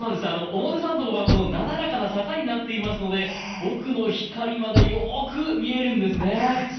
表参道はなだらかな坂になっていますので奥の光までよく見えるんですね。